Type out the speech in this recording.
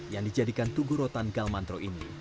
yang dijadikan tugu rotan galmantro ini